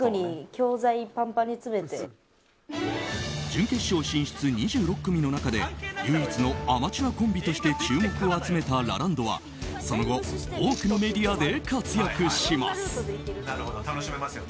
準決勝進出２６組の中で唯一のアマチュアコンビとして注目を集めたラランドはその後、多くのメディアで活躍します。